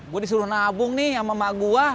gue disuruh nabung nih sama emak gue